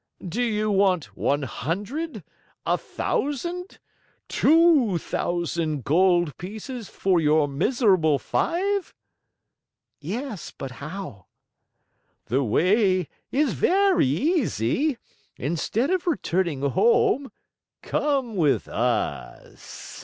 "Do you want one hundred, a thousand, two thousand gold pieces for your miserable five?" "Yes, but how?" "The way is very easy. Instead of returning home, come with us."